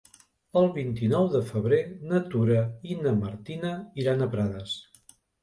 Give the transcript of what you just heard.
El vint-i-nou de febrer na Tura i na Martina iran a Prades.